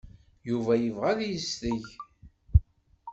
Yuba yebɣa ad yesteg.